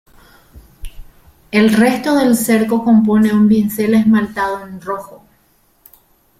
El resto del cerco lo compone un bisel esmaltado en rojo.